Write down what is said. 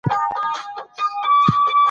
جنګ زور اخیسته.